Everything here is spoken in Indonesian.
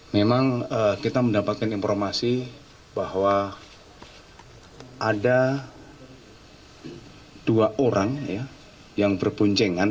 memang kita mendapatkan informasi bahwa ada dua orang yang berpuncengan